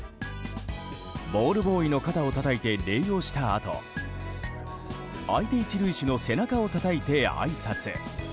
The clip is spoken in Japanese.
ボールボーイの肩をたたいて礼をしたあと相手１塁手の背中をたたいてあいさつ。